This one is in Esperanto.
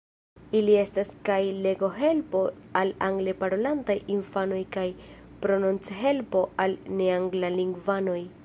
Ili estas kaj estis legohelpo al angle parolantaj infanoj kaj prononchelpo al neanglalingvanoj.